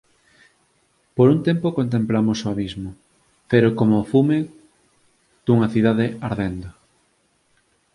Por un tempo contemplamos o Abismo, fero coma o fume dunha cidade ardendo.